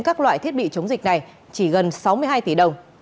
các loại thiết bị chống dịch này chỉ gần sáu mươi hai tỷ đồng